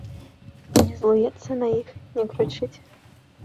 Не злуецца на іх, не крычыць.